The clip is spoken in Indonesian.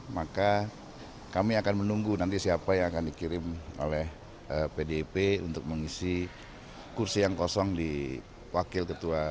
maka kami akan menunggu nanti siapa yang akan dikirim oleh pdip untuk mengisi kursi yang kosong di wakil ketua